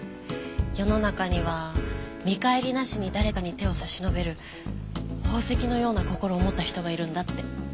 世の中には見返りなしに誰かに手を差し伸べる宝石のような心を持った人がいるんだって。